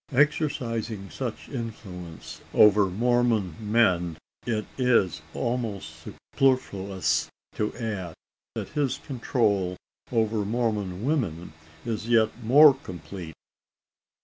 Exercising such influence over Mormon men, it is almost superfluous to add, that his control over Mormon women is yet more complete.